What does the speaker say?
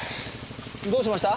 どうしました？